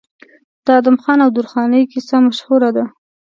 د ادم خان او درخانۍ کیسه مشهوره ده.